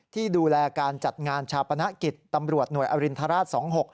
ที่ดูแลการจัดงานชาปนกิจตำรวจหน่วยอรินทราช๒๖